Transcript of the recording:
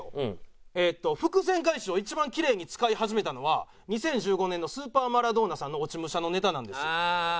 伏線回収を一番きれいに使い始めたのは２０１５年のスーパーマラドーナさんの落ち武者のネタなんです。